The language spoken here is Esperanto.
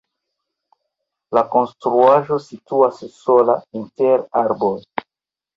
La konstruaĵo situas sola inter arboj.